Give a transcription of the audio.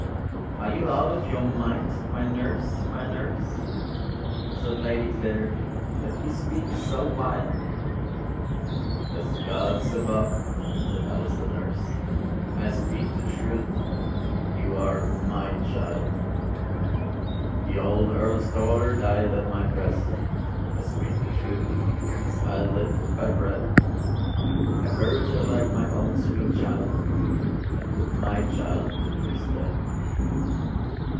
” “Are ye out of your mind, my nurse, my nurse?” Said Lady Clare, “that ye speak so wild”; “As God’s above,” said Alice the nurse, “I speak the truth: you are my child. “The old Earl’s daughter died at my breast; I speak the truth, as I live by bread! I buried her like my own sweet child, And put my child in her stead.